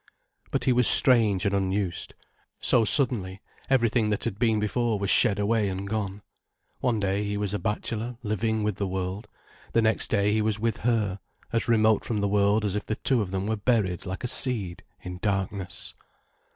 But he was strange and unused. So suddenly, everything that had been before was shed away and gone. One day, he was a bachelor, living with the world. The next day, he was with her, as remote from the world as if the two of them were buried like a seed in darkness.